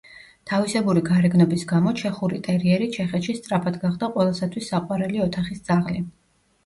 თავისებური გარეგნობის გამო ჩეხური ტერიერი ჩეხეთში სწრაფად გახდა ყველასათვის საყვარელი ოთახის ძაღლი.